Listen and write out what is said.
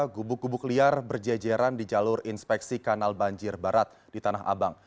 gubuk gubuk liar berjejeran di jalur inspeksi kanal banjir barat di tanah abang